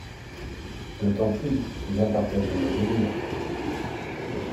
Je t'en prie, viens partager mon délire.